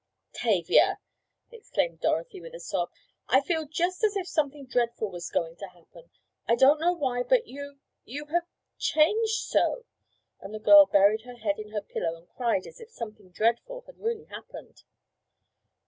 "Tavia!" exclaimed Dorothy with a sob. "I feel just as if something dreadful was going to happen. I don't know why but you—you have—changed so," and the girl buried her head in her pillow and cried as if something "dreadful" had really happened.